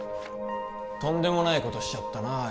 とんでもないことしちゃったなあ